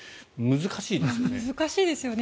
難しいですよね。